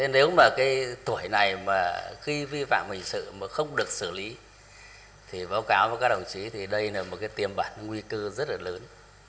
nếu mà cái tuổi này mà khi vi phạm hình sự mà không được xử lý thì báo cáo với các đồng chí thì đây là một cái tiềm bản nguy cơ rất là lớn